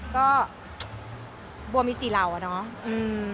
ก็บัวมีสี่เหล่าอะเนาะ